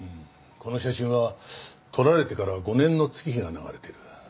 この写真は撮られてから５年の月日が流れてる。